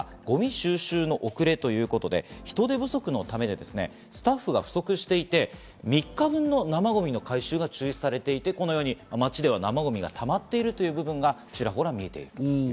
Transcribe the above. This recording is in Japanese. ゴミ収集の遅れということで人手不足のためスタッフが不足していて、３日分の生ゴミの回収が中止されていて、このように街では生ゴミが溜まっているという部分がちらほら見えている。